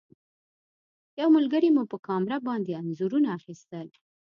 یو ملګري مو په کامره باندې انځورونه اخیستل.